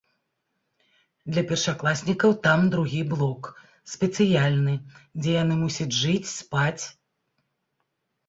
Для першакласнікаў там другі блок, спецыяльны, дзе яны мусяць жыць, спаць.